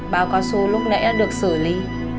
bao cá xô lúc nãy đã được xử lý